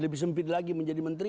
lebih sempit lagi menjadi menteri